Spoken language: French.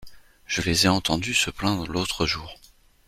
Je les ai entendus se plaindre l’autre jour.